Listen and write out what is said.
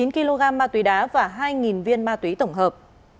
chín kg ma túy đá và hai viên ma túy tổng hợp